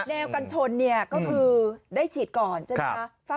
แนวกันชนเนี่ยก็คือได้ฉีดก่อนใช่ไหมคะ